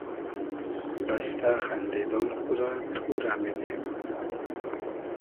بئستۂ خئندیدۉن خو رۂ تو رۂ میدیم